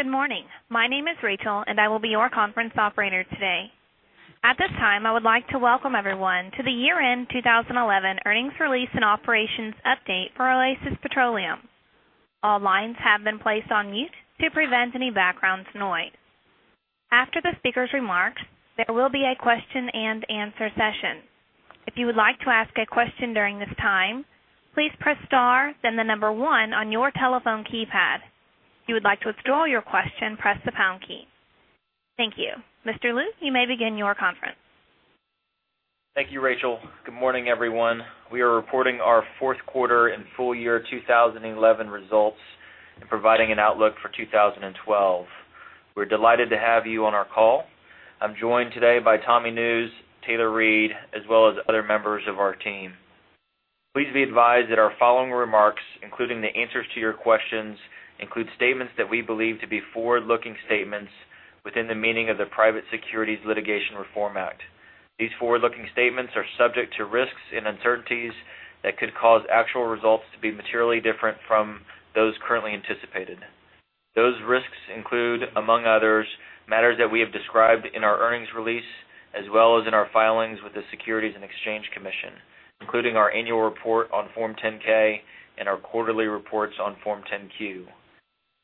Good morning. My name is Rachel, and I will be your conference operator today. At this time, I would like to welcome everyone to the year-end 2011 earnings release and operations update for Oasis Petroleum. All lines have been placed on mute to prevent any background noise. After the speaker's remarks, there will be a question and answer session. If you would like to ask a question during this time, please press star, then the number one on your telephone keypad. If you would like to withdraw your question, press the pound key. Thank you. Mr. Lou, you may begin your conference. Thank you, Rachel. Good morning, everyone. We are reporting our fourth quarter and full-year 2011 results and providing an outlook for 2012. We're delighted to have you on our call. I'm joined today by Tommy Nusz, Taylor Reid, as well as other members of our team. Please be advised that our following remarks, including the answers to your questions, include statements that we believe to be forward-looking statements within the meaning of the Private Securities Litigation Reform Act. These forward-looking statements are subject to risks and uncertainties that could cause actual results to be materially different from those currently anticipated. Those risks include, among others, matters that we have described in our earnings release, as well as in our filings with the Securities and Exchange Commission, including our annual report on Form 10-K and our quarterly reports on Form 10-Q. We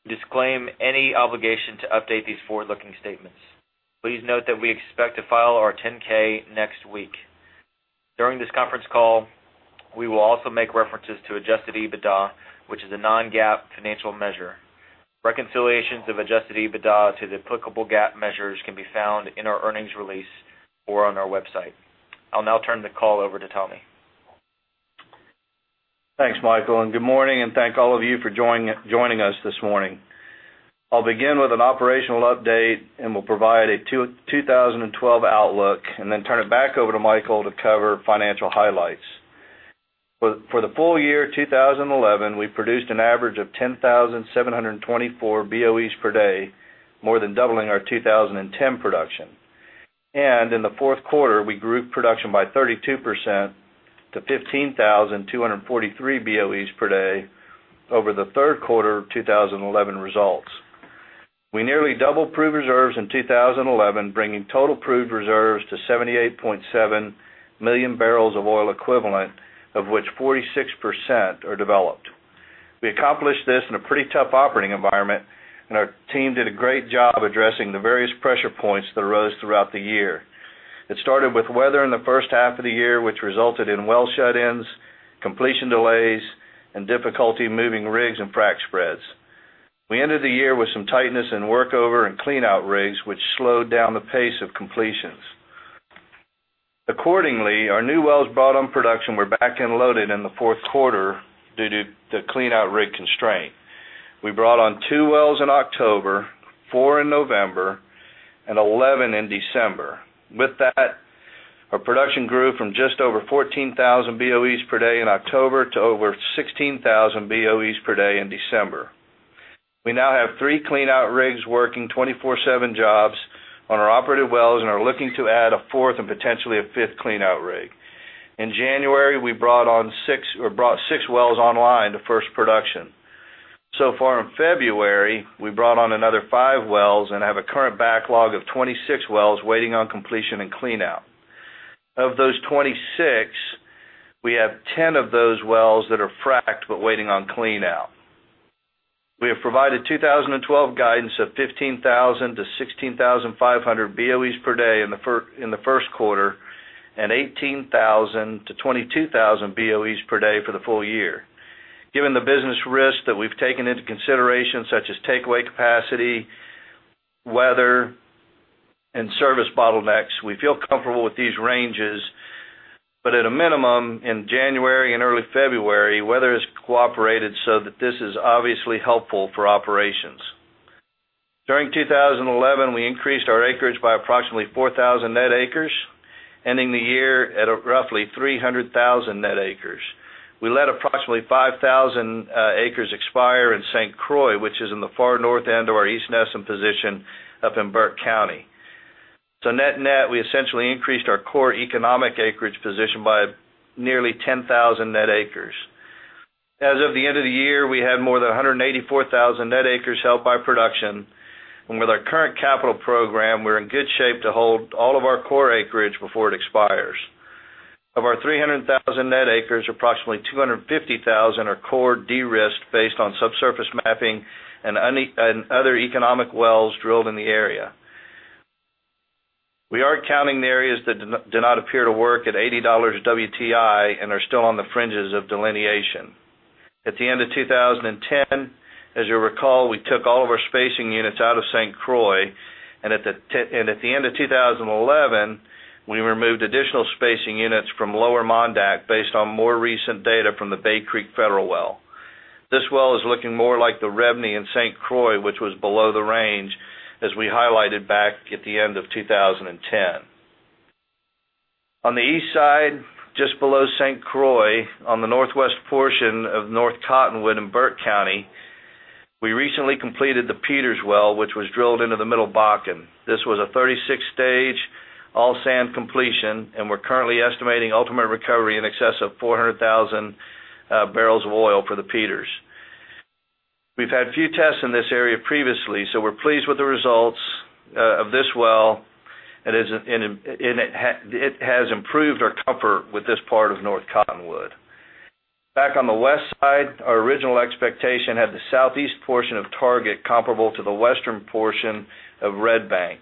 disclaim any obligation to update these forward-looking statements. Please note that we expect to file our 10-K next week. During this conference call, we will also make references to adjusted EBITDA, which is a non-GAAP financial measure. Reconciliations of adjusted EBITDA to the applicable GAAP measures can be found in our earnings release or on our website. I'll now turn the call over to Thomas. Thanks, Michael, and good morning, and thank all of you for joining us this morning. I'll begin with an operational update and will provide a 2012 outlook, and then turn it back over to Michael to cover financial highlights. For the full year 2011, we produced an average of 10,724 BOEs per day, more than doubling our 2010 production. In the fourth quarter, we grew production by 32% to 15,243 BOEs per day over the third quarter of 2011 results. We nearly doubled crude reserves in 2011, bringing total crude reserves to 78.7 million barrels of oil equivalent, of which 46% are developed. We accomplished this in a pretty tough operating environment, and our team did a great job addressing the various pressure points that arose throughout the year. It started with weather in the first half of the year, which resulted in well shut-ins, completion delays, and difficulty moving rigs and frac spreads. We ended the year with some tightness in workover and clean-out rigs, which slowed down the pace of completions. Accordingly, our new wells brought on production were back end loaded in the fourth quarter due to the clean-out rig constraint. We brought on two wells in October, four in November, and 11 in December. With that, our production grew from just over 14,000 BOEs per day in October to over 16,000 BOEs per day in December. We now have three clean-out rigs working 24/7 jobs on our operated wells and are looking to add a fourth and potentially a fifth clean-out rig. In January, we brought on six or brought six wells online to first production. So far, in February, we brought on another five wells and have a current backlog of 26 wells waiting on completion and clean-out. Of those 26, we have 10 of those wells that are fracked but waiting on clean-out. We have provided 2012 guidance of 15,000-16,500 BOEs per day in the first quarter and 18,000-22,000 BOEs per day for the full year. Given the business risks that we've taken into consideration, such as takeaway capacity, weather, and service bottlenecks, we feel comfortable with these ranges. At a minimum, in January and early February, weather has cooperated so that this is obviously helpful for operations. During 2011, we increased our acreage by approximately 4,000 net acres, ending the year at roughly 300,000 net acres. We let approximately 5,000 acres expire in St. Croix, which is in the far north end of our east Nessum position up in Burke County. Net-net, we essentially increased our core economic acreage position by nearly 10,000 net acres. As of the end of the year, we had more than 184,000 net acres held by production, and with our current capital program, we're in good shape to hold all of our core acreage before it expires. Of our 300,000 net acres, approximately 250,000 are core de-risked based on subsurface mapping and other economic wells drilled in the area. We are counting the areas that do not appear to work at $80 WTI and are still on the fringes of delineation. At the end of 2010, as you'll recall, we took all of our spacing units out of St. Croix, and at the end of 2011, we removed additional spacing units from Lower Mondack based on more recent data from the Bay Creek Federal Well. This well is looking more like the Revney in St. Croix, which was below the range as we highlighted back at the end of 2010. On the east side, just below St. Croix, on the northwest portion of North Cottonwood in Burke County, we recently completed the Peters Well, which was drilled into the middle Bakken. This was a 36-stage all-sand completion, and we're currently estimating ultimate recovery in excess of 400,000 bbl of oil for the Peters. We've had a few tests in this area previously, so we're pleased with the results of this well, and it has improved our comfort with this part of North Cottonwood. Back on the west side, our original expectation had the southeast portion of Target comparable to the western portion of Red Bank.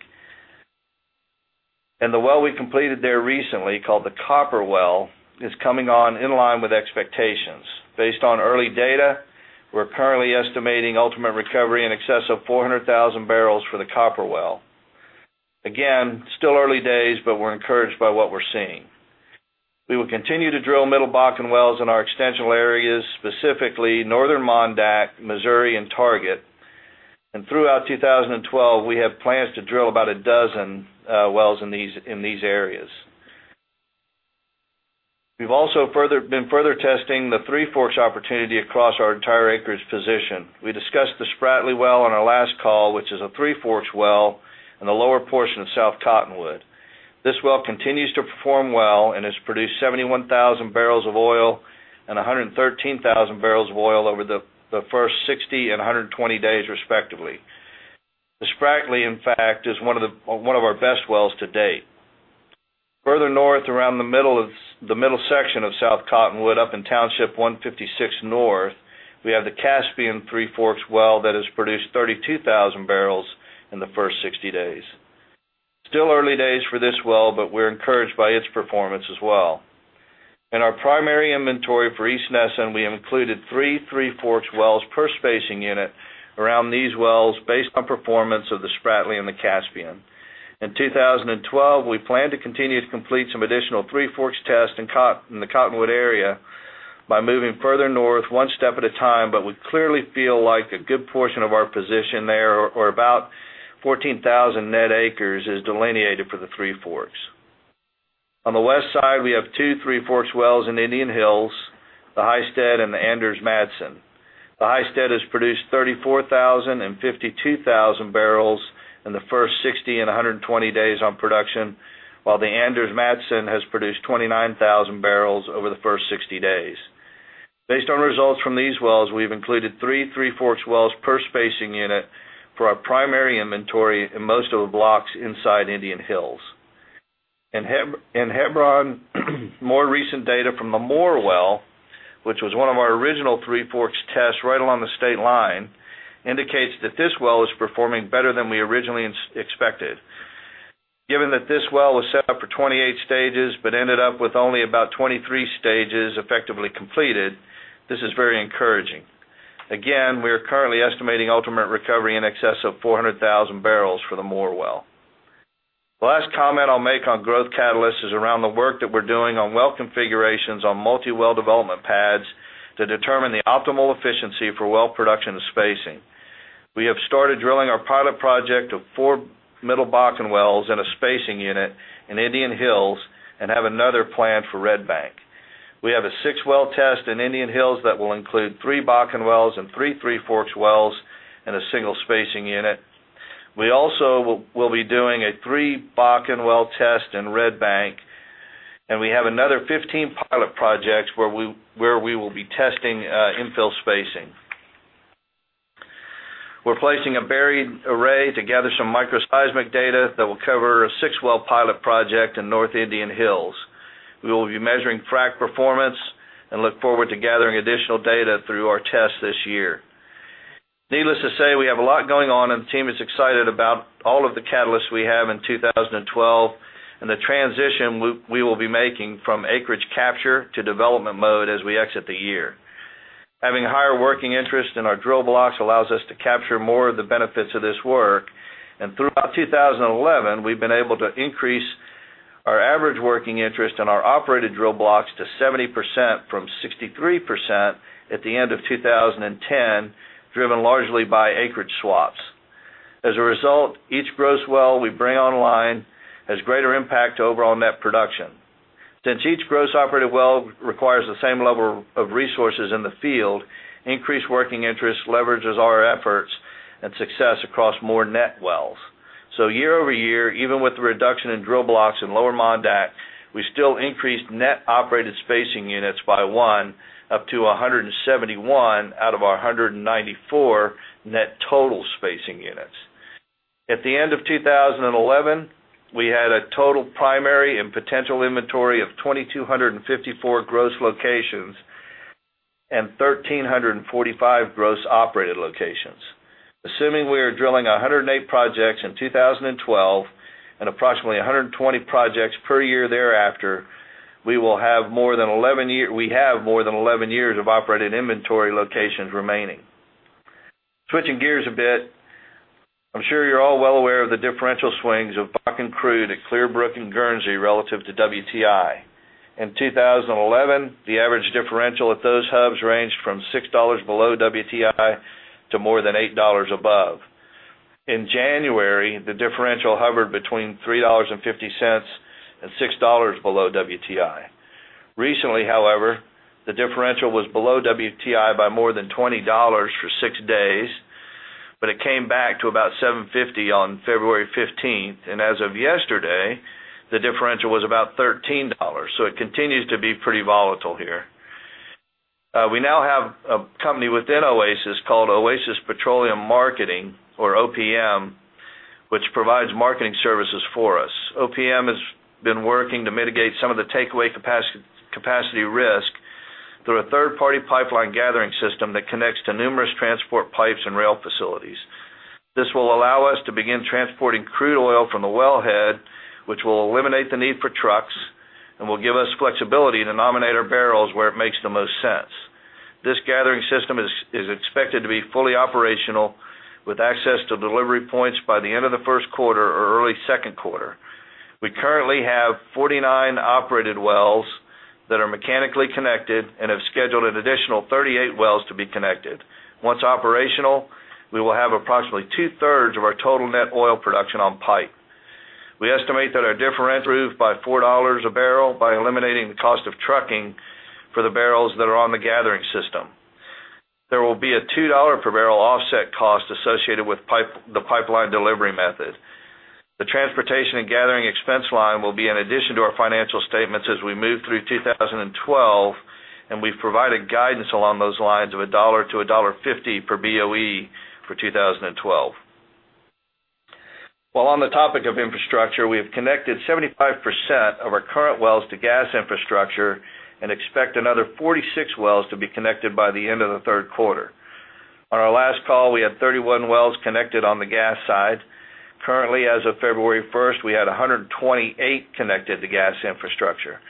The well we completed there recently, called the Copper Well, is coming on in line with expectations. Based on early data, we're currently estimating ultimate recovery in excess of 400,000 bbl for the Copper Well. Still early days, but we're encouraged by what we're seeing. We will continue to drill middle Bakken wells in our extensional areas, specifically Northern Mondack, Missouri, and Target. Throughout 2012, we have plans to drill about a dozen wells in these areas. We've also been further testing the Three Forks opportunity across our entire acreage position. We discussed the Spratley Well on our last call, which is a Three Forks well in the lower portion of South Cottonwood. This well continues to perform well and has produced 71,000 bbl of oil and 113,000 bbl of oil over the first 60 and 120 days, respectively. The Spratley, in fact, is one of our best wells to date. Further north, around the middle section of South Cottonwood, up in Township 156 North, we have the Caspian Three Forks well that has produced 32,000 bbl in the first 60 days. Still early days for this well, but we're encouraged by its performance as well. In our primary inventory for East Nesson, we included three Three Forks wells per spacing unit around these wells based on performance of the Spratley and the Caspian. In 2012, we plan to continue to complete some additional Three Forks tests in the Cottonwood area by moving further north one step at a time, but we clearly feel like a good portion of our position there, or about 14,000 net acres, is delineated for the Three Forks. On the west side, we have two Three Forks wells in Indian Hills, the Heisted and the Anders Madsen. The Heisted has produced 34,000 and 52,000 barrels in the first 60 and 120 days on production, while the Anders Madsen has produced 29,000 bbl over the first 60 days. Based on results from these wells, we've included three Three Forks wells per spacing unit for our primary inventory in most of the blocks inside Indian Hills. More recent data from the Moore well, which was one of our original Three Forks tests right along the state line, indicates that this well is performing better than we originally expected. Given that this well was set up for 28 stages but ended up with only about 23 stages effectively completed, this is very encouraging. We are currently estimating ultimate recovery in excess of 400,000 bbl for the Moore well. The last comment I'll make on growth catalysts is around the work that we're doing on well configurations on multi-well development pads to determine the optimal efficiency for well production and spacing. We have started drilling our pilot project of four Middle Bakken wells and a spacing unit in Indian Hills and have another planned for Red Bank. We have a six-well test in Indian Hills that will include three Bakken wells and three Three Forks wells in a single spacing unit. We also will be doing a three Bakken well test in Red Bank, and we have another 15 pilot projects where we will be testing infill spacing. We're placing a buried array to gather some microseismic data that will cover a six-well pilot project in North Indian Hills. We will be measuring frac performance and look forward to gathering additional data through our tests this year. Needless to say, we have a lot going on, and the team is excited about all of the catalysts we have in 2012 and the transition we will be making from acreage capture to development mode as we exit the year. Having a higher working interest in our drill blocks allows us to capture more of the benefits of this work. Throughout 2011, we've been able to increase our average working interest in our operated drill blocks to 70% from 63% at the end of 2010, driven largely by acreage swaps. As a result, each gross well we bring online has greater impact to overall net production. Since each gross operated well requires the same level of resources in the field, increased working interest leverages our efforts and success across more net wells. year-over-year, even with the reduction in drill blocks in Lower Mondack, we still increased net operated spacing units by one, up to 171 out of our 194 net total spacing units. At the end of 2011, we had a total primary and potential inventory of 2,254 gross locations and 1,345 gross operated locations. Assuming we are drilling 108 projects in 2012 and approximately 120 projects per year thereafter, we will have more than 11 years of operated inventory locations remaining. Switching gears a bit, I'm sure you're all well aware of the differential swings of Bakken crude at Clear Brook and Guernsey relative to WTI. In 2011, the average differential at those hubs ranged from $6 below WTI to more than $8 above. In January, the differential hovered between $3.50 and $6 below WTI. Recently, however, the differential was below WTI by more than $20 for six days, but it came back to about $7.50 on February 15th. As of yesterday, the differential was about $13. It continues to be pretty volatile here. We now have a company within Oasis called Oasis Petroleum Marketing, or OPM, which provides marketing services for us. OPM has been working to mitigate some of the takeaway capacity risk through a third-party pipeline gathering system that connects to numerous transport pipes and rail facilities. This will allow us to begin transporting crude oil from the wellhead, which will eliminate the need for trucks and will give us flexibility to nominate our barrels where it makes the most sense. This gathering system is expected to be fully operational with access to delivery points by the end of the first quarter or early second quarter. We currently have 49 operated wells that are mechanically connected and have scheduled an additional 38 wells to be connected. Once operational, we will have approximately two-thirds of our total net oil production on pipe. We estimate that our differential will be improved by $4 a barrel by eliminating the cost of trucking for the barrels that are on the gathering system. There will be a $2 per barrel offset cost associated with the pipeline delivery method. The transportation and gathering expense line will be in addition to our financial statements as we move through 2012, and we have provided guidance along those lines of $1-$1.50 per BOE for 2012. On the topic of infrastructure, we have connected 75% of our current wells to gas infrastructure and expect another 46 wells to be connected by the end of the third quarter. On our last call, we had 31 wells connected on the gas side. Currently, as of February 1st, we had 128 connected to gas infrastructure.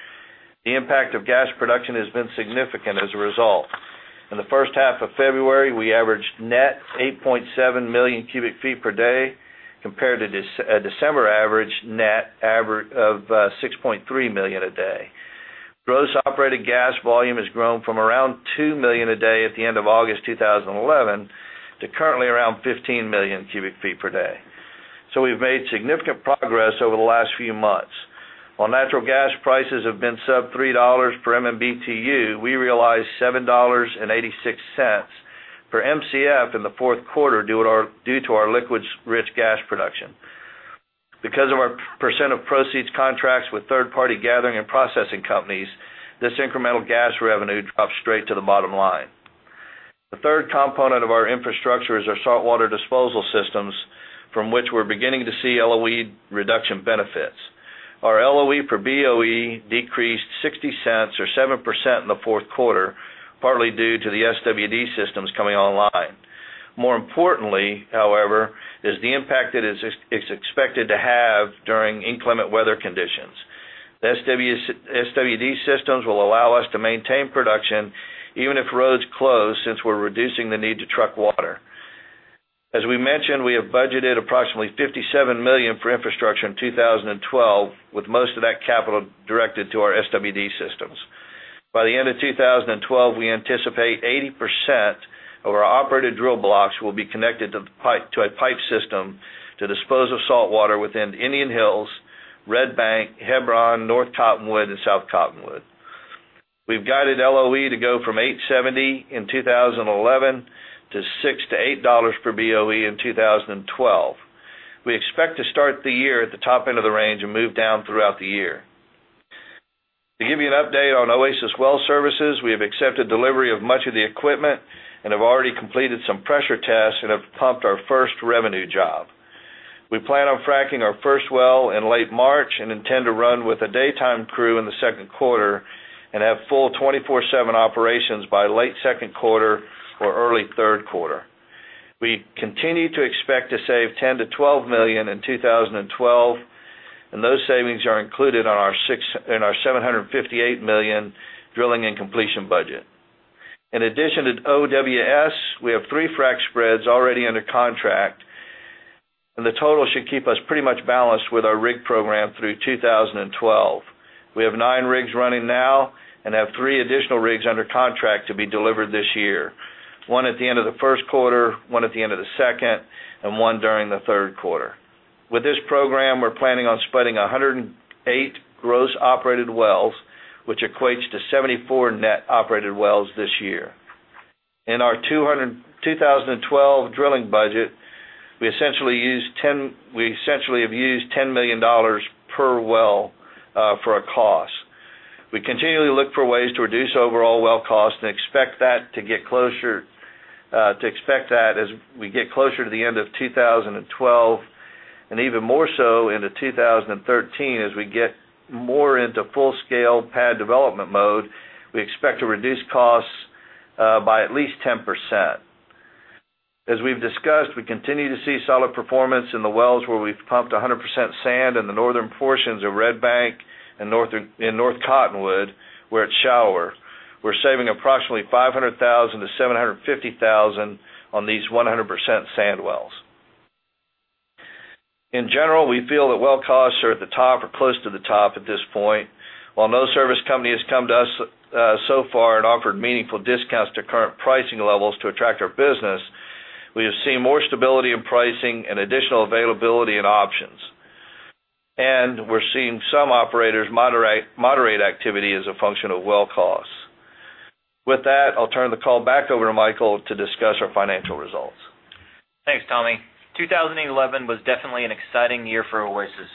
The impact of gas production has been significant as a result. In the first half of February, we averaged net 8.7 million cu ft per day compared to the December average net of 6.3 million cu ft a day. Gross operated gas volume has grown from around 2 million cu ft a day at the end of August 2011 to currently around 15 million cu ft per day. We have made significant progress over the last few months. While natural gas prices have been sub $3 per MMBTU, we realized $7.86 per MCF in the fourth quarter due to our liquids-rich gas production. Because of our percent of proceeds contracts with third-party gathering and processing companies, this incremental gas revenue drops straight to the bottom line. The third component of our infrastructure is our saltwater disposal systems, from which we are beginning to see LOE reduction benefits. Our LOE per BOE decreased $0.60, or 7% in the fourth quarter, partly due to the SWD systems coming online. More importantly, however, is the impact that it is expected to have during inclement weather conditions. The SWD systems will allow us to maintain production even if roads close since we are reducing the need to truck water. As we mentioned, we have budgeted approximately $57 million for infrastructure in 2012, with most of that capital directed to our SWD systems. By the end of 2012, we anticipate 80% of our operated drill blocks will be connected to a pipe system to dispose of saltwater within Indian Hills, Red Bank, Hebron, North Cottonwood, and South Cottonwood. We've guided LOE to go from $8.70 in 2011 to $6-$8 per BOE in 2012. We expect to start the year at the top end of the range and move down throughout the year. To give you an update on Oasis Well Services, we have accepted delivery of much of the equipment and have already completed some pressure tests and have pumped our first revenue job. We plan on fracking our first well in late March and intend to run with a daytime crew in the second quarter and have full 24/7 operations by late second quarter or early third quarter. We continue to expect to save $10 million-$12 million in 2012, and those savings are included in our $758 million drilling and completion budget. In addition to OWS, we have three frac spreads already under contract, and the total should keep us pretty much balanced with our rig program through 2012. We have nine rigs running now and have three additional rigs under contract to be delivered this year, one at the end of the first quarter, one at the end of the second, and one during the third quarter. With this program, we're planning on spreading 108 gross operated wells, which equates to 74 net operated wells this year. In our 2012 drilling budget, we essentially have used $10 million per well for a cost. We continually look for ways to reduce overall well cost and expect that as we get closer to the end of 2012 and even more so into 2013 as we get more into full-scale pad development mode. We expect to reduce costs by at least 10%. As we've discussed, we continue to see solid performance in the wells where we've pumped 100% sand in the northern portions of Red Bank and North Cottonwood where it's shallower. We're saving approximately $500,000-$750,000 on these 100% sand wells. In general, we feel that well costs are at the top or close to the top at this point. While no service company has come to us so far and offered meaningful discounts to current pricing levels to attract our business, we have seen more stability in pricing and additional availability in options. We are seeing some operators moderate activity as a function of well costs. With that, I'll turn the call back over to Michael to discuss our financial results. Thanks, Tommy. 2011 was definitely an exciting year for Oasis.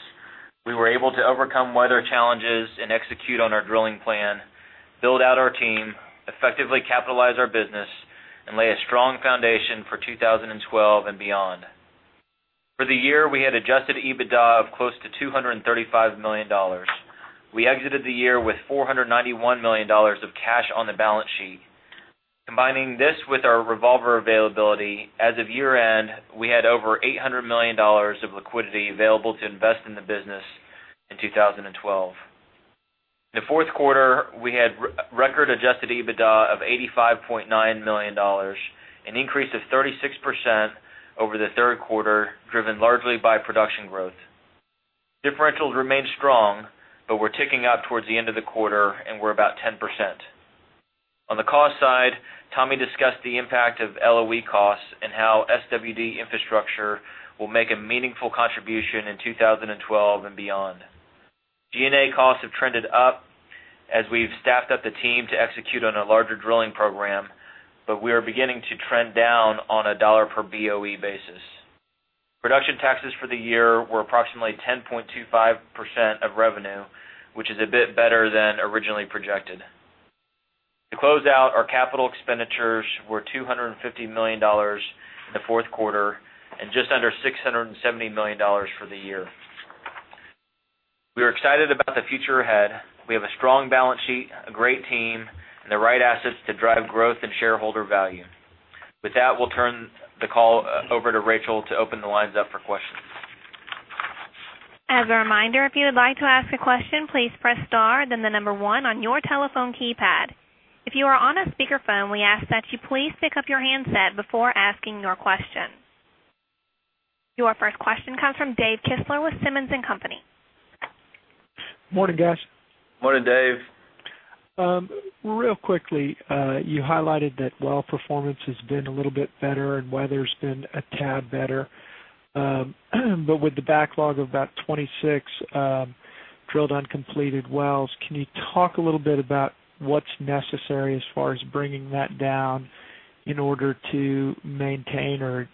We were able to overcome weather challenges and execute on our drilling plan, build out our team, effectively capitalize our business, and lay a strong foundation for 2012 and beyond. For the year, we had adjusted EBITDA of close to $235 million. We exited the year with $491 million of cash on the balance sheet. Combining this with our revolver availability, as of year-end, we had over $800 million of liquidity available to invest in the business in 2012. In the fourth quarter, we had record adjusted EBITDA of $85.9 million, an increase of 36% over the third quarter, driven largely by production growth. Differentials remain strong, but we're ticking up towards the end of the quarter and we're about 10%. On the cost side, Tommy discussed the impact of LOE costs and how SWD infrastructure will make a meaningful contribution in 2012 and beyond. G&A costs have trended up as we've staffed up the team to execute on a larger drilling program, but we are beginning to trend down on a dollar per BOE basis. Production taxes for the year were approximately 10.25% of revenue, which is a bit better than originally projected. To close out, our capital expenditures were $250 million in the fourth quarter and just under $670 million for the year. We are excited about the future ahead. We have a strong balance sheet, a great team, and the right assets to drive growth and shareholder value. With that, we'll turn the call over to Rachel to open the lines up for questions. As a reminder, if you would like to ask a question, please press star, then the number one on your telephone keypad. If you are on a speakerphone, we ask that you please pick up your handset before asking your question. Your first question comes from Dave Kistler with Simmons & Company. Morning, guys. Morning, Dave. Real quickly, you highlighted that well performance has been a little bit better and weather's been a tad better. With the backlog of about 26 drilled uncompleted wells, can you talk a little bit about what's necessary as far as bringing that down in order to maintain or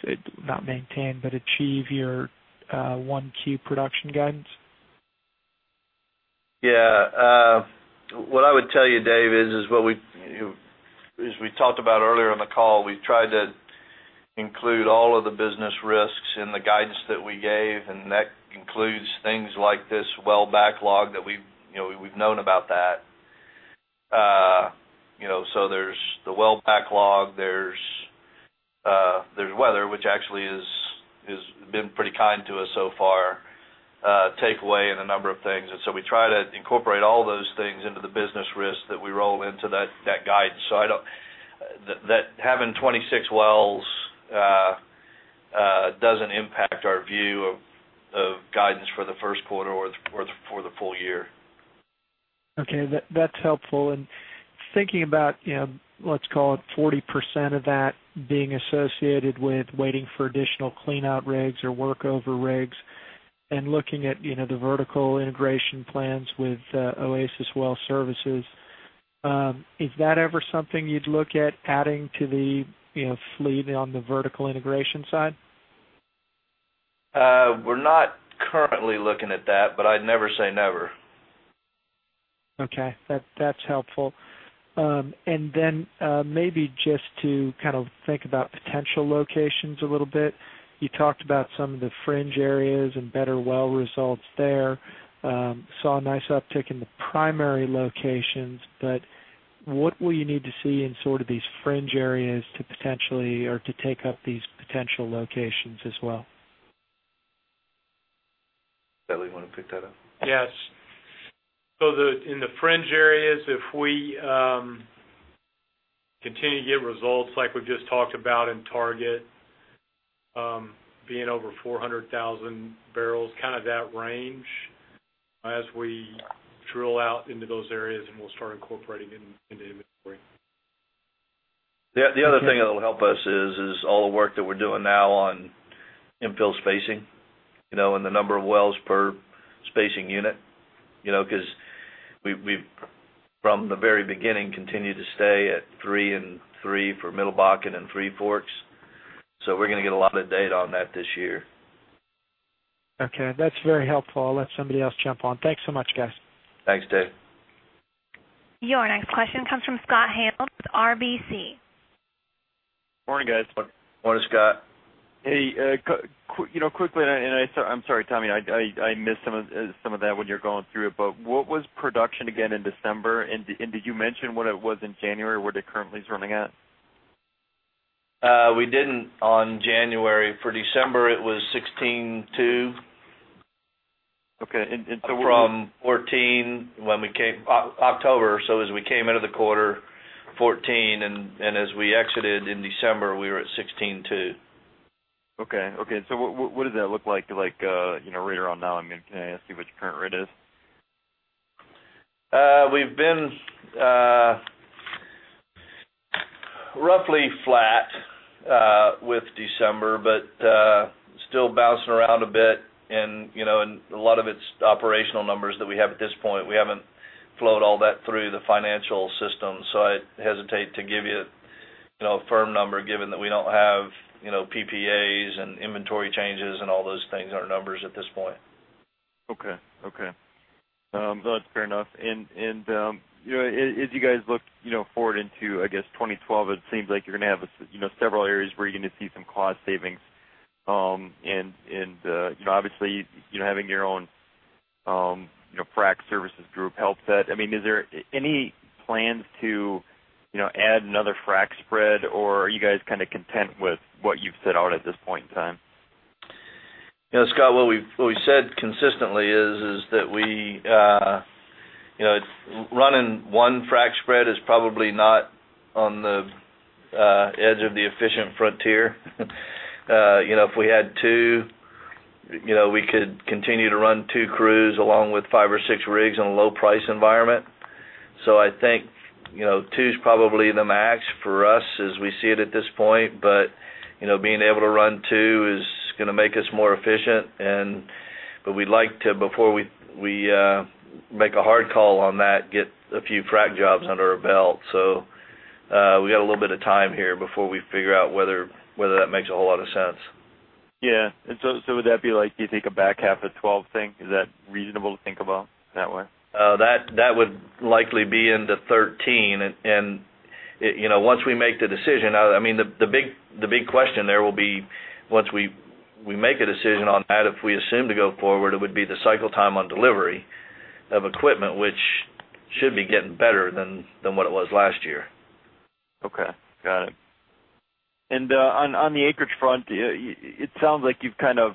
not maintain, but achieve your Q1 production guidance? Yeah. What I would tell you, Dave, is what we talked about earlier on the call. We tried to include all of the business risks in the guidance that we gave, and that includes things like this well backlog that we've known about. There's the well backlog, there's weather, which actually has been pretty kind to us so far, takeaway, and a number of things. We try to incorporate all those things into the business risks that we roll into that guide. I don't think that having 26 wells doesn't impact our view of guidance for the first quarter or for the full year. Okay. That's helpful. Thinking about, you know, let's call it 40% of that being associated with waiting for additional clean-out rigs or workover rigs and looking at the vertical integration plans with Oasis Well Services, is that ever something you'd look at adding to the fleet on the vertical integration side? We're not currently looking at that, but I'd never say never. Okay, that's helpful. Maybe just to kind of think about potential locations a little bit, you talked about some of the fringe areas and better well results there. Saw a nice uptick in the primary locations, but what will you need to see in sort of these fringe areas to potentially or to take up these potential locations as well? Taylor, want to pick that up? Yes. In the fringe areas, if we continue to get results like we've just talked about in Target, being over 400,000 bbl, kind of that range, as we drill out into those areas, we'll start incorporating into inventory. Yeah. The other thing that will help us is all the work that we're doing now on infill spacing, you know, and the number of wells per spacing unit, you know, because we've, from the very beginning, continued to stay at three and three for Middle Bakken and Three Forks. We're going to get a lot of data on that this year. Okay. That's very helpful. I'll let somebody else jump on. Thanks so much, guys. Thanks, Dave. Your next question comes from Scott Hanold, RBC. Morning, guys. Morning, Scott. Hey, you know, quickly, I'm sorry, Tommy, I missed some of that when you were going through it, but what was production again in December? Did you mention what it was in January where the currently is running at? We didn't on January. For December, it was 16.2. What? From 2014 when we came October or so, as we came into the quarter 2014, and as we exited in December, we were at 16.2. Okay. What does that look like? You know, right around now, can I ask you what your current rate is? We've been roughly flat with December, still bouncing around a bit. A lot of it's operational numbers that we have at this point. We haven't flowed all that through the financial system. I hesitate to give you a firm number given that we don't have PPAs and inventory changes and all those things in our numbers at this point. Okay. No, that's fair enough. As you guys look forward into, I guess, 2012, it seems like you're going to have several areas where you're going to see some cost savings. Obviously, having your own frac services group helps that. I mean, is there any plans to add another frac spread, or are you guys kind of content with what you've set out at this point in time? Yeah, Scott, what we've said consistently is that running one frac spread is probably not on the edge of the efficient frontier. If we had two, we could continue to run two crews along with five or six rigs in a low-price environment. I think two's probably the max for us as we see it at this point. Being able to run two is going to make us more efficient, but we'd like to, before we make a hard call on that, get a few frac jobs under our belt. We got a little bit of time here before we figure out whether that makes a whole lot of sense. Would that be like you take a back half of 12 thing? Is that reasonable to think about that way? That would likely be into 2013. Once we make the decision, the big question there will be once we make a decision on that, if we assume to go forward, it would be the cycle time on delivery of equipment, which should be getting better than what it was last year. Okay. Got it. On the acreage front, it sounds like you've kind of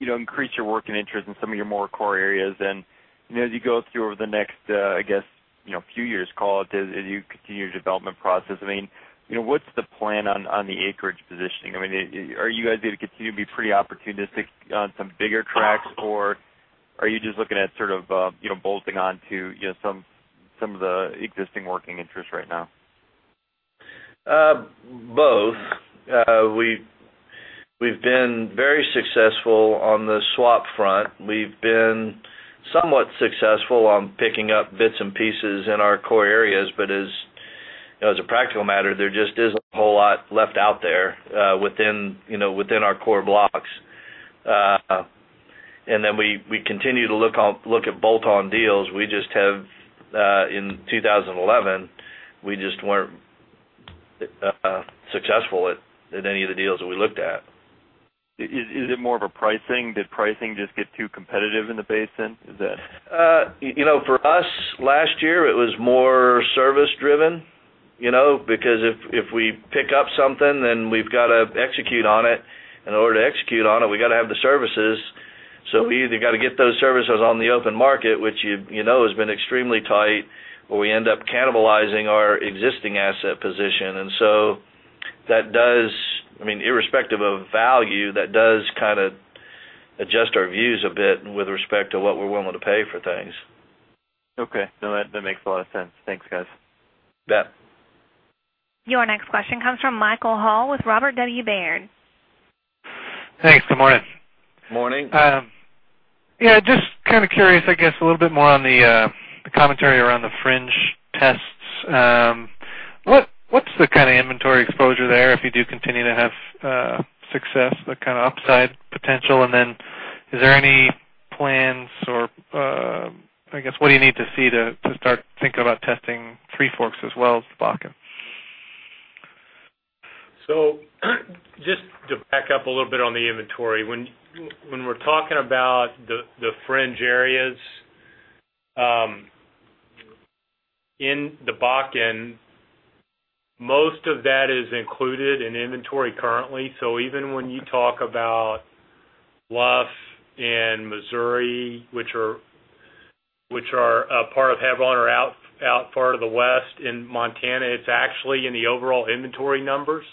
increased your working interest in some of your more core areas. As you go through over the next, I guess, a few years, call it, as you continue your development process, what's the plan on the acreage positioning? Are you guys going to continue to be pretty opportunistic on some bigger tracts, or are you just looking at sort of bolting on to some of the existing working interests right now? Both. We've been very successful on the swap front. We've been somewhat successful on picking up bits and pieces in our core areas, but as you know, as a practical matter, there just isn't a whole lot left out there within our core blocks. We continue to look at bolt-on deals. In 2011, we just weren't successful at any of the deals that we looked at. Is it more of a pricing? Did pricing just get too competitive in the basin? Is that? For us last year, it was more service-driven because if we pick up something, then we've got to execute on it. In order to execute on it, we got to have the services. We either got to get those services on the open market, which has been extremely tight, or we end up cannibalizing our existing asset position. That does, irrespective of value, kind of adjust our views a bit with respect to what we're willing to pay for things. Okay, no, that makes a lot of sense. Thanks, guys. Yeah. Your next question comes from Michael Hall with Robert W. Baird. Thanks. Good morning. Morning. Yeah, just kind of curious, I guess, a little bit more on the commentary around the fringe tests. What's the kind of inventory exposure there if you do continue to have success, the kind of upside potential? Is there any plans or, I guess, what do you need to see to start thinking about testing Three Forks as well as the Bakken? To back up a little bit on the inventory, when we're talking about the fringe areas in the Bakken, most of that is included in inventory currently. Even when you talk about Bluff and Missouri, which are part of Hebron or out far to the west in Montana, it's actually in the overall inventory numbers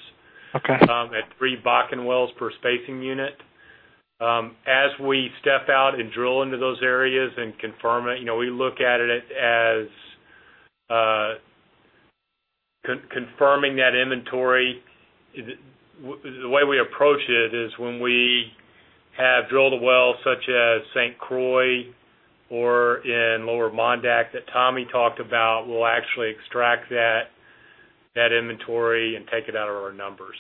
at three Bakken wells per spacing unit. As we step out and drill into those areas and confirm it, we look at it as confirming that inventory. The way we approach it is when we have drilled a well such as St. Croix or in Lower Mondack that Tommy talked about, we'll actually extract that inventory and take it out of our numbers.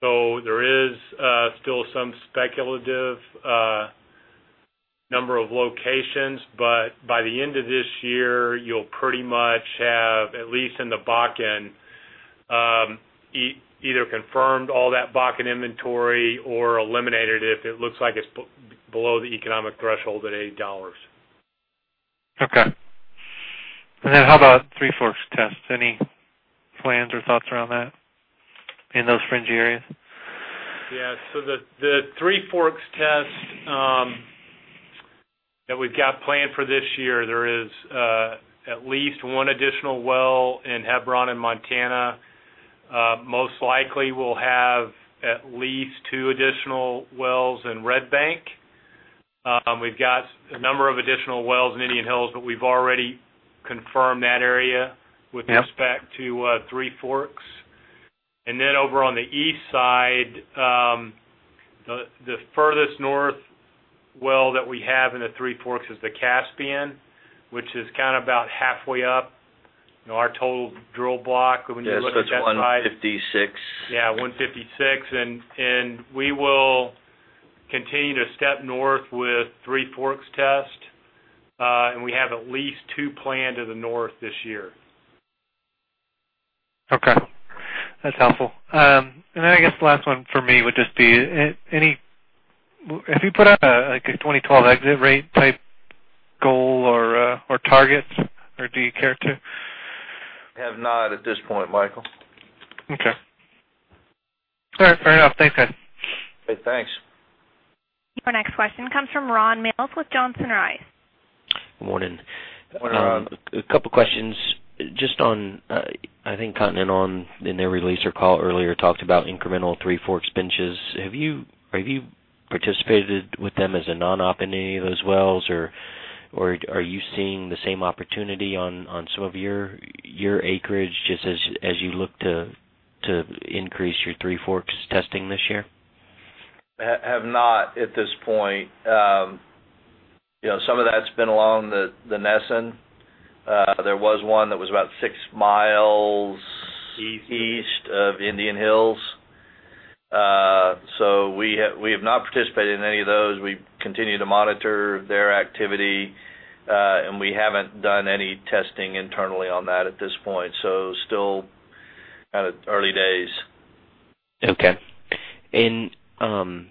There is still some speculative number of locations, but by the end of this year, you'll pretty much have, at least in the Bakken, either confirmed all that Bakken inventory or eliminated it if it looks like it's below the economic threshold at $80. Okay. How about Three Forks tests? Any plans or thoughts around that in those fringe areas? Yeah. The three forks tests that we've got planned for this year, there is at least one additional well in Hebron and Montana. Most likely, we'll have at least two additional wells in Red Bank. We've got a number of additional wells in Indian Hills, but we've already confirmed that area with respect to three forks. Over on the east side, the furthest north well that we have in the three forks is the Caspian, which is kind of about halfway up our total drill block. When you look at the side. That's 156? Yeah, 156. We will continue to step north with Three Forks tests, and we have at least two planned to the north this year. Okay. That's helpful. I guess the last one for me would just be, have you put out a 2012 exit rate type goal or target, or do you care to? I have not at this point, Michael. Okay. All right. Fair enough. Thanks, guys. Hey, thanks. Your next question comes from Ron Mills with Johnson Rice. Good morning. A couple of questions. Just on, I think, content in their release or call earlier, talked about incremental Three Forks benches. Have you participated with them as a non-op in any of those wells, or are you seeing the same opportunity on some of your acreage just as you look to increase your Three Forks testing this year? I have not at this point. Some of that's been along the Nessen. There was one that was about six miles east of Indian Hills. We have not participated in any of those. We continue to monitor their activity, and we haven't done any testing internally on that at this point. Still kind of early days. Okay. On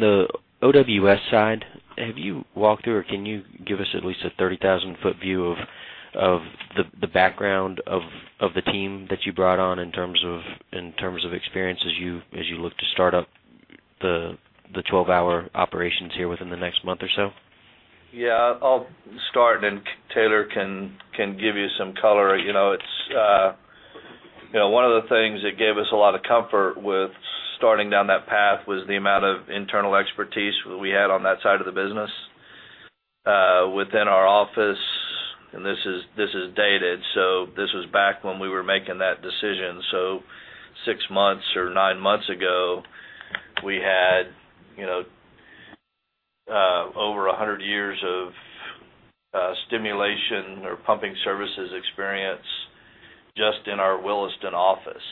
the OWS side, have you walked through or can you give us at least a 30,000-ft view of the background of the team that you brought on in terms of experience as you look to start up the 12-hour operations here within the next month or so? Yeah, I'll start, and then Taylor can give you some color. One of the things that gave us a lot of comfort with starting down that path was the amount of internal expertise that we had on that side of the business. Within our office, and this is dated, so this was back when we were making that decision. Six months or nine months ago, we had over 100 years of stimulation or pumping services experience just in our Williston office.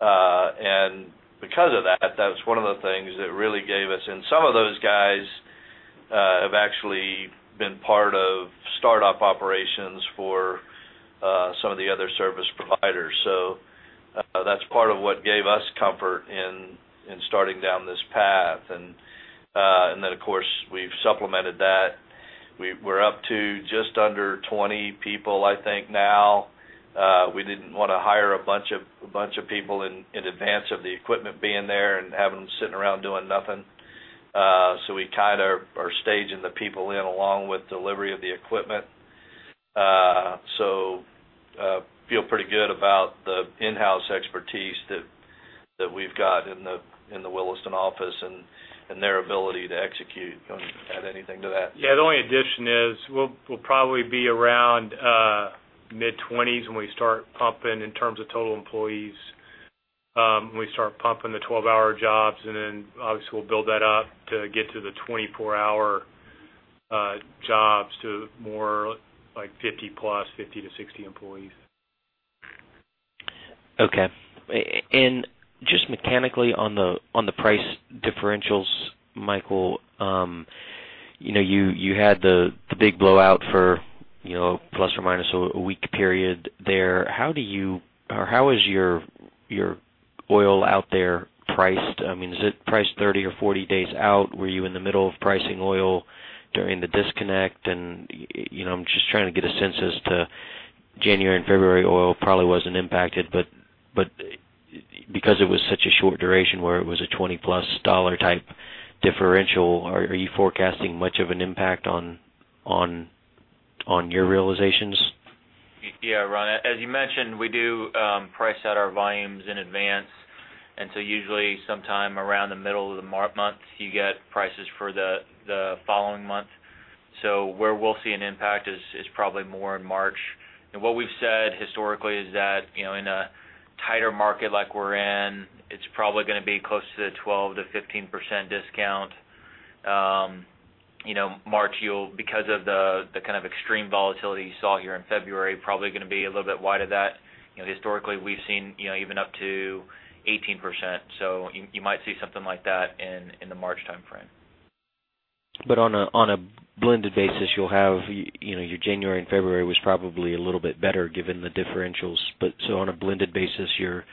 Because of that, that's one of the things that really gave us, and some of those guys have actually been part of startup operations for some of the other service providers. That's part of what gave us comfort in starting down this path. Of course, we've supplemented that. We're up to just under 20 people, I think, now. We didn't want to hire a bunch of people in advance of the equipment being there and have them sitting around doing nothing. We kind of are staging the people in along with delivery of the equipment. I feel pretty good about the in-house expertise that we've got in the Williston office and their ability to execute on anything to that. Yeah, the only addition is we'll probably be around mid-20s when we start pumping in terms of total employees, when we start pumping the 12-hour jobs. Obviously, we'll build that up to get to the 24-hour jobs to more like 50+, 50-60 employees. Okay. Just mechanically on the price differentials, Michael, you had the big blowout for, you know, plus or minus a week period there. How do you, or how is your oil out there priced? I mean, is it priced 30 or 40 days out? Were you in the middle of pricing oil during the disconnect? I'm just trying to get a sense as to January and February oil probably wasn't impacted. Because it was such a short duration where it was a $20+ type differential, are you forecasting much of an impact on your realizations? Yeah, Ron, as you mentioned, we do price out our volumes in advance. Usually, sometime around the middle of the month, you get prices for the following month. Where we'll see an impact is probably more in March. What we've said historically is that, in a tighter market like we're in, it's probably going to be close to the 12%-15% discount. March, you'll, because of the kind of extreme volatility you saw here in February, probably going to be a little bit wider than that. Historically, we've seen even up to 18%. You might see something like that in the March timeframe. On a blended basis, you'll have, you know, your January and February was probably a little bit better given the differentials. On a blended basis, you're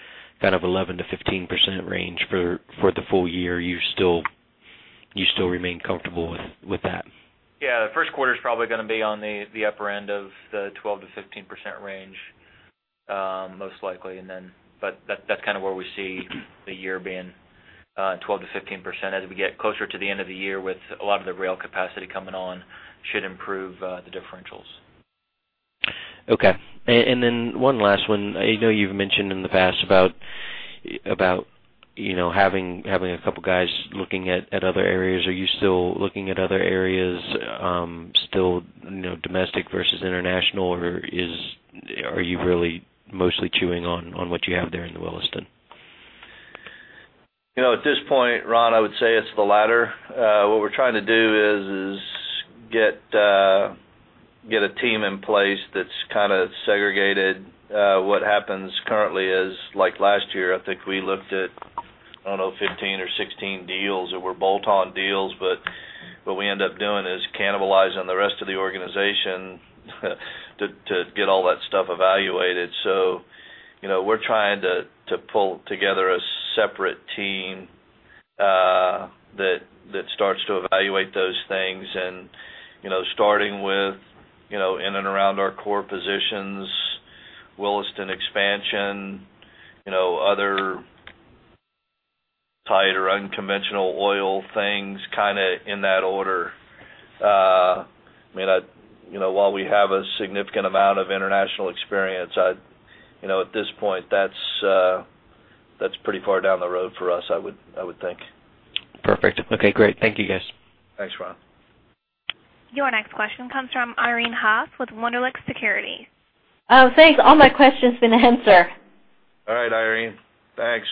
kind of 11%-15% range for the full year. You still remain comfortable with that. Yeah, the first quarter is probably going to be on the upper end of the 12%-15% range, most likely. That's kind of where we see the year being, 12%-15%, as we get closer to the end of the year with a lot of the rail capacity coming on, which should improve the differentials. Okay. One last one. I know you've mentioned in the past about having a couple of guys looking at other areas. Are you still looking at other areas, domestic versus international, or are you really mostly chewing on what you have there in the Williston? At this point, Ron, I would say it's the latter. What we're trying to do is get a team in place that's kind of segregated. What happens currently is, like last year, I think we looked at, I don't know, 15 or 16 deals that were bolt-on deals. What we end up doing is cannibalizing the rest of the organization to get all that stuff evaluated. We're trying to pull together a separate team that starts to evaluate those things, starting with in and around our core positions, Williston expansion, other tighter unconventional oil things, kind of in that order. While we have a significant amount of international experience, at this point, that's pretty far down the road for us, I would think. Perfect. Okay. Great. Thank you, guys. Thanks, Ron. Your next question comes from Irene Haas with Wunderlich Securities. Oh, thanks. All my questions have been answered. All right, Irene. Thanks.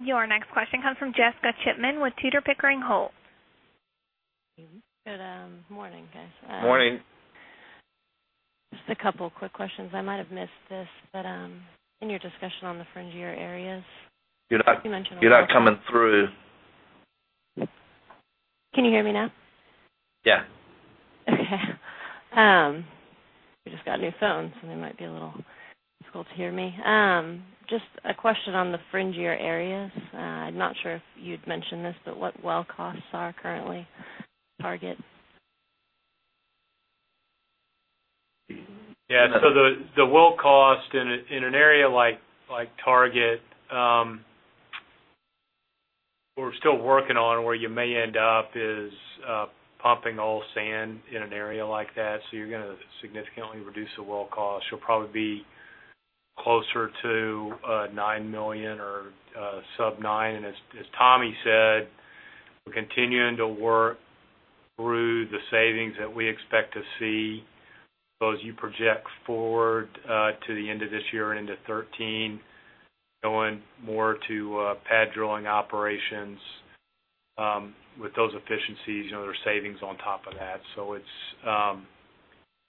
Your next question comes from Jessica Chipman with Tudor, Pickering, Holt. Good morning, guys. Morning. Just a couple of quick questions. I might have missed this, but in your discussion on the fringier areas, you're not coming through. Can you hear me now? Yeah. Okay. We just got new phones, so they might be a little difficult to hear me. Just a question on the fringier areas. I'm not sure if you'd mentioned this, but what well costs are currently target? Yeah. The well cost in an area like Target, we're still working on where you may end up is pumping all sand in an area like that. You're going to significantly reduce the well cost. You'll probably be closer to $9 million or sub $9 million. As Tommy said, we're continuing to work through the savings that we expect to see. As you project forward to the end of this year and into 2013, going more to pad drilling operations with those efficiencies, there are savings on top of that. I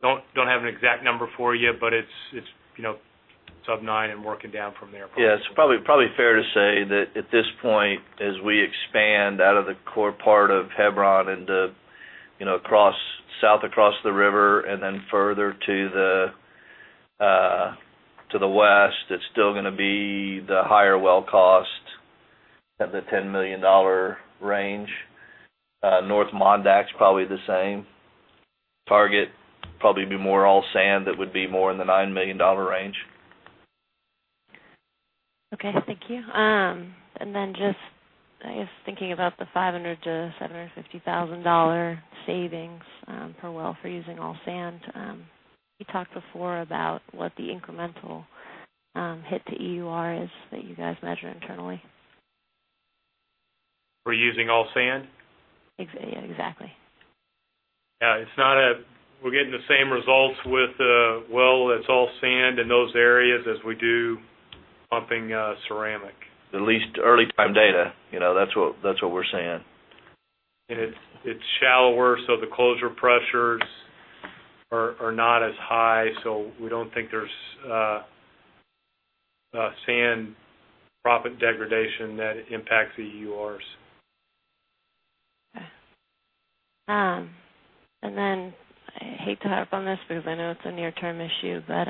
don't have an exact number for you, but it's sub $9 million and working down from there. It's probably fair to say that at this point, as we expand out of the core part of Hebron and across south across the river and then further to the west, it's still going to be the higher well cost of the $10 million range. North Mondack's probably the same. Target probably would be more all sand that would be more in the $9 million range. Okay. Thank you. Just, I guess, thinking about the $500,000-$750,000 savings per well for using all sand, we talked before about what the incremental hit to EUR is that you guys measure internally. For using all sand? Yeah, exactly. Yeah. It's not a, we're getting the same results with a well that's all sand in those areas as we do pumping ceramic. At least early-time data, you know, that's what we're saying. It is shallower, so the closure pressures are not as high. We do not think there is sand proppant degradation that impacts EURs. I hate to harp on this because I know it's a near-term issue, but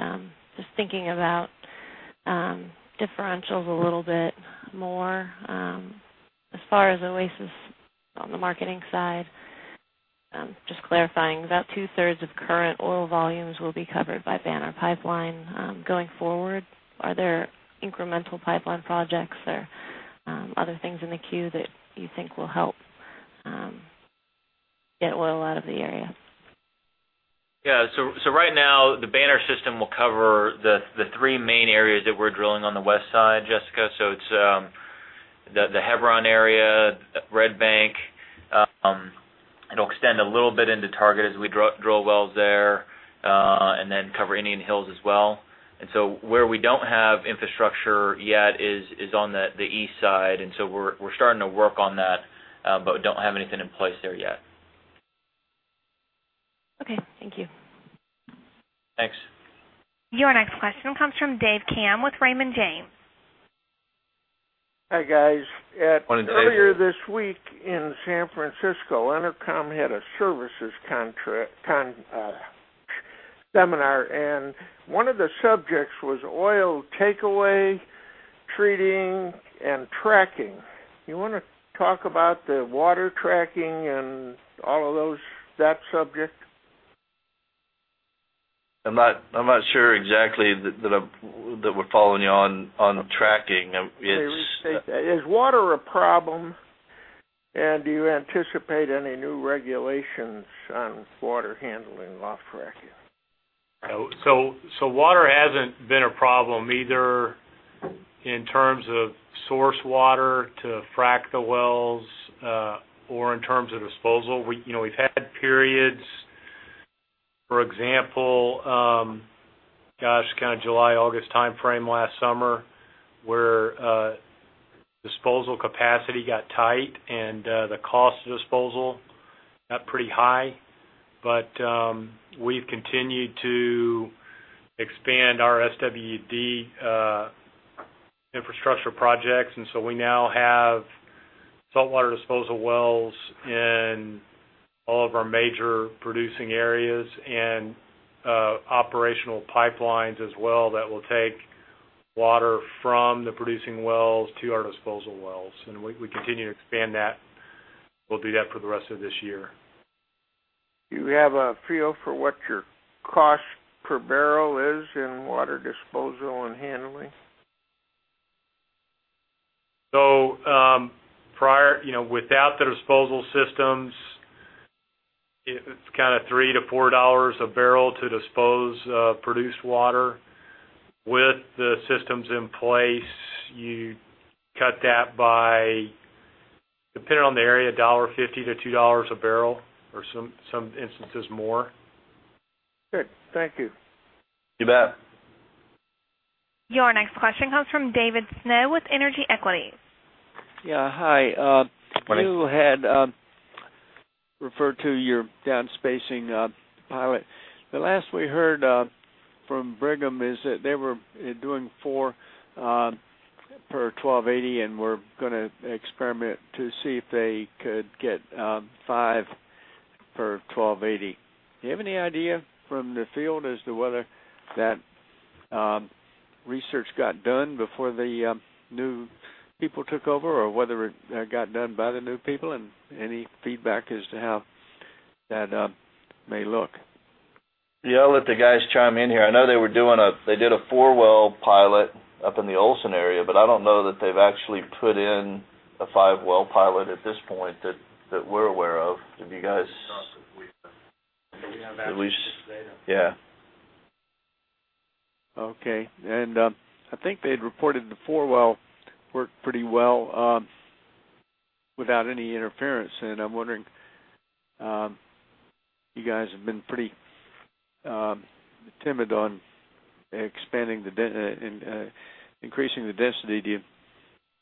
just thinking about differentials a little bit more. As far as Oasis on the marketing side, just clarifying, about two-thirds of current oil volumes will be covered by Banner Pipeline going forward. Are there incremental pipeline projects or other things in the queue that you think will help get oil out of the area? Right now, the Banner system will cover the three main areas that we're drilling on the west side, Jessica. It's the Hebron area, Red Bank. It'll extend a little bit into Target as we drill wells there, and then cover Indian Hills as well. Where we don't have infrastructure yet is on the east side. We're starting to work on that, but we don't have anything in place there yet. Okay, thank you. Thanks. Your next question comes from Dave Tam with Raymond James. Hi, guys. Morning, Dave. Earlier this week in San Francisco, Intercom had a services seminar, and one of the subjects was oil takeaway, treating, and tracking. You want to talk about the water tracking and all of those, that subject? I'm not sure exactly that we're following you on tracking. Is water a problem, and do you anticipate any new regulations on water handling while fracking? Water hasn't been a problem either in terms of source water to frack the wells or in terms of disposal. We've had periods, for example, in the July, August timeframe last summer where disposal capacity got tight and the cost of disposal got pretty high. We have continued to expand our SWD infrastructure projects, and we now have saltwater disposal wells in all of our major producing areas and operational pipelines as well that will take water from the producing wells to our disposal wells. We continue to expand that and will do that for the rest of this year. Do you have a feel for what your cost per barrel is in water disposal and handling? Prior, you know, without the disposal systems, it's kind of $3-$4 a barrel to dispose of produced water. With the systems in place, you cut that by, depending on the area, $1.50-$2 a barrel or in some instances more. Okay, thank you. You bet. Your next question comes from David Snow with Energy Equity. Yeah. Hi. Morning. You had referred to your downspacing pilot. The last we heard from Brigham is that they were doing four per 1,280, and were going to experiment to see if they could get five per 1,280. Do you have any idea from the field as to whether that research got done before the new people took over or whether it got done by the new people, and any feedback as to how that may look? Yeah, I'll let the guys chime in here. I know they were doing a four-well pilot up in the Olson area, but I don't know that they've actually put in a five-well pilot at this point that we're aware of. Have you guys? I'll see if we have access to data. Yeah. Okay. I think they reported the four-well worked pretty well without any interference. I'm wondering, you guys have been pretty timid on expanding the increasing the density. Do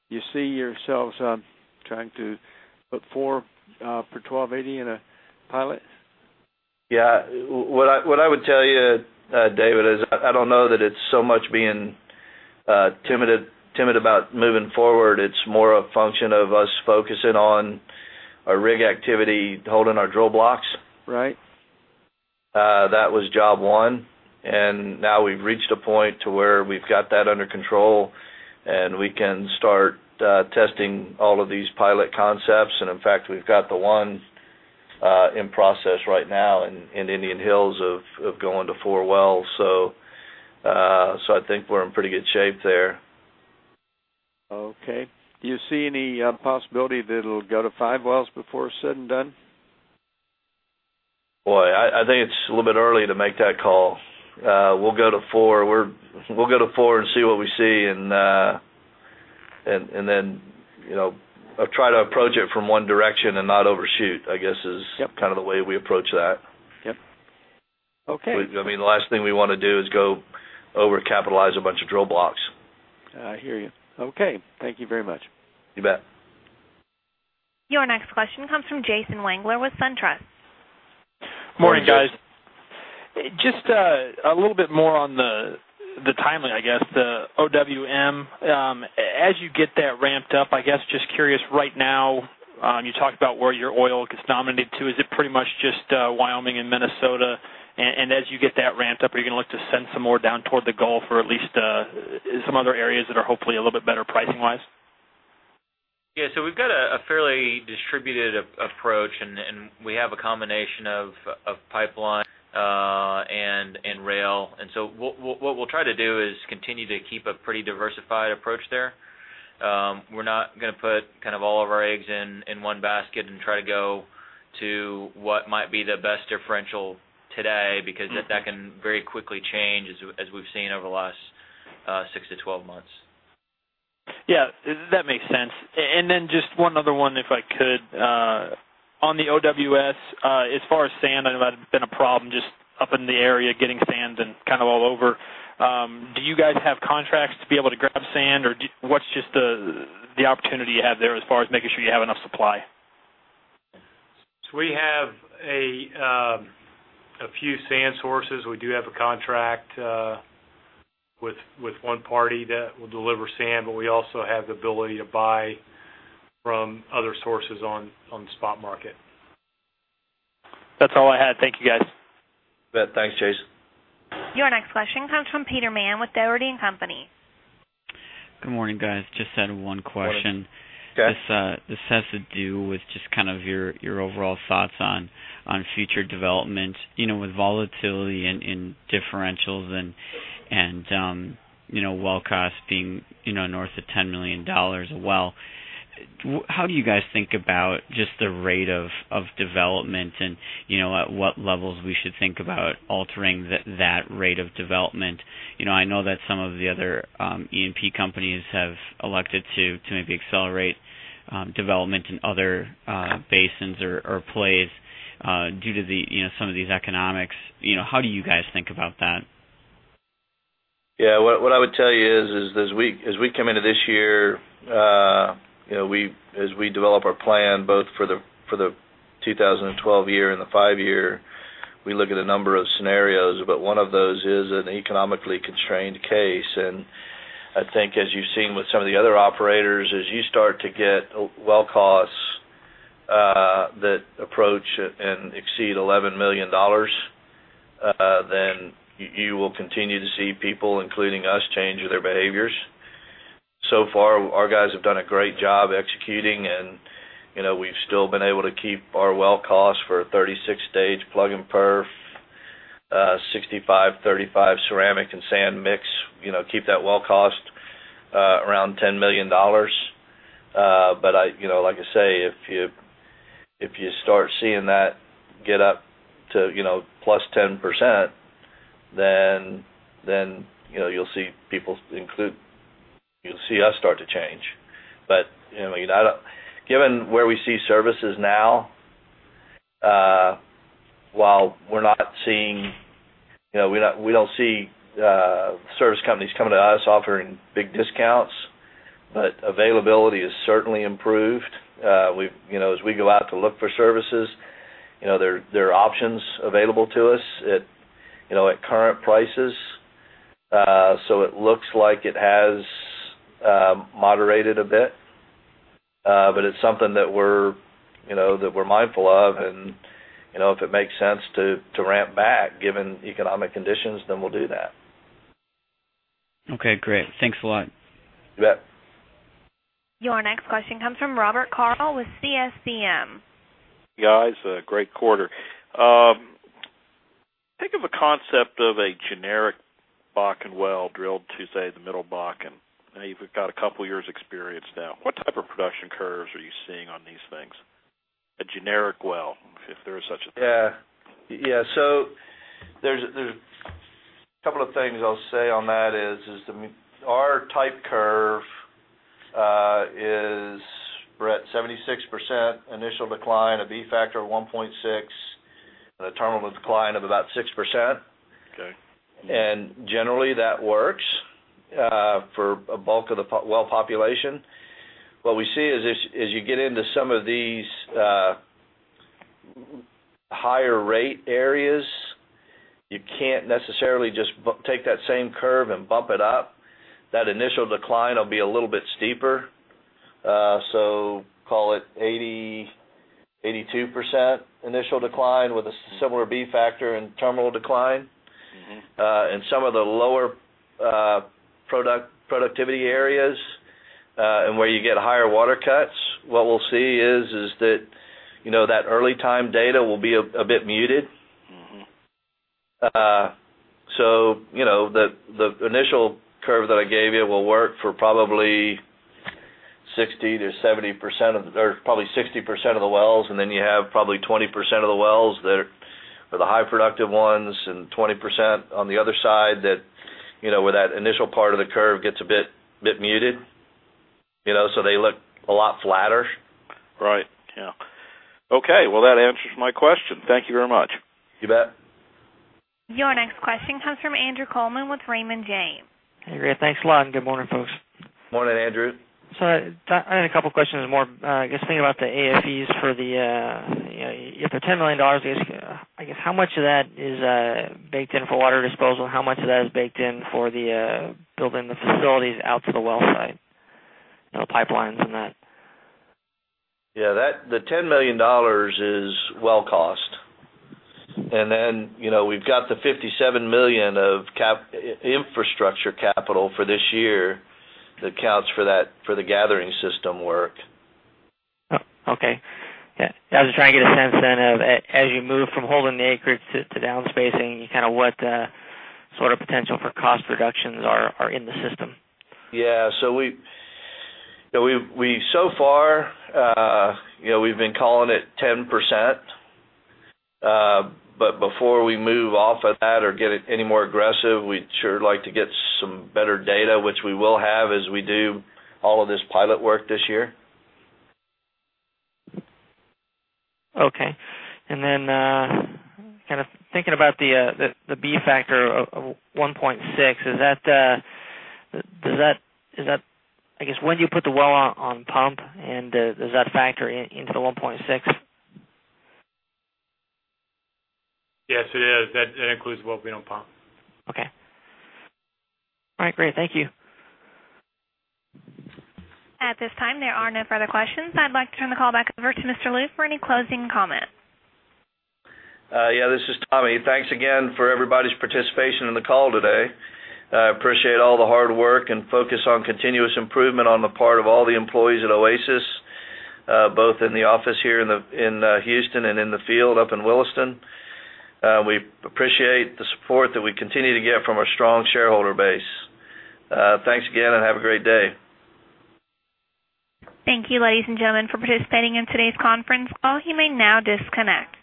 you see yourselves trying to put four per 1,280 in a pilot? Yeah. What I would tell you, David, is I don't know that it's so much being timid about moving forward. It's more a function of us focusing on our rig activity, holding our drill blocks. Right. That was job one. Now we've reached a point where we've got that under control, and we can start testing all of these pilot concepts. In fact, we've got the one in process right now in Indian Hills of going to four wells. I think we're in pretty good shape there. Okay. Do you see any possibility that it'll go to five wells before it's said and done? I think it's a little bit early to make that call. We'll go to four. We'll go to four and see what we see. I'll try to approach it from one direction and not overshoot, I guess, is kind of the way we approach that. Yep. Okay. I mean, the last thing we want to do is go over-capitalize a bunch of drill blocks. I hear you. Okay, thank you very much. You bet. Your next question comes from Jason Wangler with SunTrust. Morning, guys. Just a little bit more on the timeline, I guess. The OWM, as you get that ramped up, I guess, just curious, right now, you talked about where your oil gets nominated to. Is it pretty much just Wyoming and Minnesota? As you get that ramped up, are you going to look to send some more down toward the Gulf or at least some other areas that are hopefully a little bit better pricing-wise? We have a fairly distributed approach, and we have a combination of pipeline and rail. What we'll try to do is continue to keep a pretty diversified approach there. We're not going to put all of our eggs in one basket and try to go to what might be the best differential today because that can very quickly change, as we've seen over the last 6-12 months. Yeah. That makes sense. Just one other one, if I could. On the OWS, as far as sand, it might have been a problem just up in the area getting sand and kind of all over. Do you guys have contracts to be able to grab sand, or what's just the opportunity you have there as far as making sure you have enough supply? We have a few sand sources. We do have a contract with one party that will deliver sand, but we also have the ability to buy from other sources on the spot market. That's all I had. Thank you, guys. Thanks, Jason. Your next question comes from Peter Mahon with Doherty & Company. Good morning, guys. Just had one question. Go ahead. This has to do with just kind of your overall thoughts on future development, with volatility and differentials and well costs being north of $10 million a well. How do you guys think about just the rate of development and at what levels we should think about altering that rate of development? I know that some of the other E&P companies have elected to maybe accelerate development in other basins or plays due to some of these economics. How do you guys think about that? Yeah. What I would tell you is, as we come into this year, as we develop our plan both for the 2012 year and the five year, we look at a number of scenarios, but one of those is an economically constrained case. I think, as you've seen with some of the other operators, as you start to get well costs that approach and exceed $11 million, you will continue to see people, including us, change their behaviors. So far, our guys have done a great job executing, and we've still been able to keep our well costs for a 36-stage plug and perf, 65/35 ceramic and sand mix, keep that well cost around $10 million. If you start seeing that get up to, you know, +10%, you'll see people include, you'll see us start to change. Given where we see services now, while we're not seeing, we don't see service companies coming to us offering big discounts, availability is certainly improved. As we go out to look for services, there are options available to us at current prices. It looks like it has moderated a bit, but it's something that we're mindful of. If it makes sense to ramp back, given economic conditions, then we'll do that. Okay, great. Thanks a lot. You bet. Your next question comes from [Robert Corel with TSCM]. Guys, great quarter. Think of a concept of a generic Bakken well drilled to, say, the middle Bakken. You've got a couple of years' experience now. What type of production curves are you seeing on these things? A generic well, if there is such a thing. Yeah. There's a couple of things I'll say on that. Our type curve is, Brett, 76% initial decline, a B factor of 1.6, and a terminal decline of about 6%. That works for a bulk of the well population. What we see is, as you get into some of these higher rate areas, you can't necessarily just take that same curve and bump it up. That initial decline will be a little bit steeper, call it 82% initial decline with a similar B factor and terminal decline. In some of the lower productivity areas and where you get higher water cuts, what we'll see is that early-time data will be a bit muted. The initial curve that I gave you will work for probably 60% of the wells. Then you have probably 20% of the wells that are the high productive ones and 20% on the other side where that initial part of the curve gets a bit muted. They look a lot flatter. Right. Yeah. Okay, that answers my question. Thank you very much. You bet. Your next question comes from Andrew Coleman with Raymond James. Hey, great. Thanks a lot. Good morning, folks. Morning, Andrew. I had a couple of questions and more. I guess, thinking about the AFEs for the, you know, if they're $10 million, I guess how much of that is baked in for water disposal and how much of that is baked in for building the facilities out to the well, right? You know, pipelines and that. Yeah. The $10 million is well cost. We've got the $57 million of infrastructure capital for this year that counts for that for the gathering system work. Okay. I was just trying to get a sense then of, as you move from holding the acreage to downspacing, kind of what the sort of potential for cost reductions are in the system. Yeah, so far, you know, we've been calling it 10%. Before we move off of that or get it any more aggressive, we'd sure like to get some better data, which we will have as we do all of this pilot work this year. Okay. Kind of thinking about the B factor of 1.6, is that, I guess, when do you put the well on pump, and does that factor into the 1.6? Yes, it is. That includes the well being on pump. Okay. All right. Great. Thank you. At this time, there are no further questions. I'd like to turn the call back over to Mr. Lou for any closing comments. Yeah, this is Tommy. Thanks again for everybody's participation in the call today. I appreciate all the hard work and focus on continuous improvement on the part of all the employees at Oasis, both in the office here in Houston and in the field up in Williston. We appreciate the support that we continue to get from our strong shareholder base. Thanks again and have a great day. Thank you, ladies and gentlemen, for participating in today's conference call. You may now disconnect.